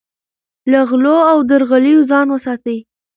له غلو او درغلیو ځان وساتئ.